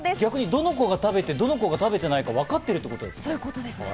どの子が食べて、どの子が食べてないと分かってるってことですね。